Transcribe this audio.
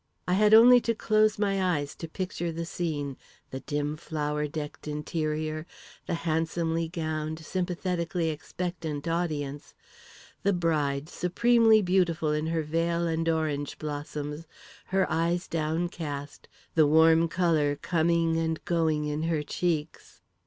I had only to close my eyes to picture the scene the dim, flower decked interior; the handsomely gowned, sympathetically expectant audience; the bride, supremely beautiful in her veil and orange blossoms, her eyes downcast, the warm colour coming and going in her cheeks....